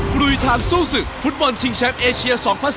ลุยทางสู้ศึกฟุตบอลชิงแชมป์เอเชีย๒๐๑๙